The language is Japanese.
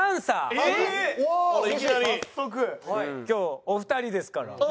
今日お二人ですから。